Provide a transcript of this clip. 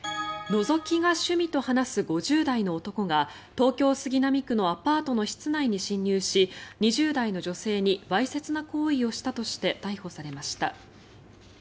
のぞきが趣味と話す５０代の男が東京・杉並区のアパートの室内に侵入し２０代の女性にわいせつな行為をしたとして逮捕されました。